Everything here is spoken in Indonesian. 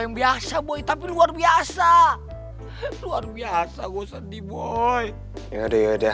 yang biasa boy tapi luar biasa luar biasa gue sedih boy ya udah ya udah